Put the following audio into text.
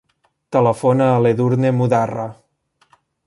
Telefona a l'Edurne Mudarra.